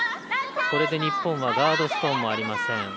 これで日本はガードストーンもありません。